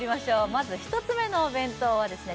まず１つ目のお弁当はですね